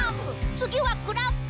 つぎはクラップ！